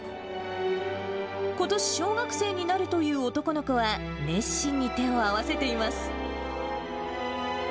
ことし小学生になるという男の子は、熱心に手を合わせています。